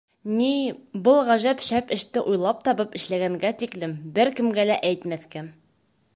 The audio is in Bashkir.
— Ни, был ғәжәп шәп эште уйлап табып эшләгәнгә тиклем бер кемгә лә әйтмәҫкә.